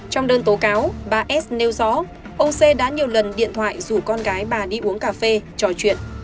trong đơn tố cáo bà s nêu rõ ông xê đã nhiều lần điện thoại rủ con gái bà đi uống cà phê trò chuyện